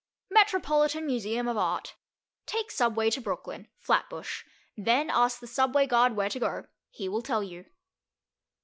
Metropolitan Museum of Art. Take Subway to Brooklyn. (Flatbush.) Then ask the subway guard where to go; he will tell you.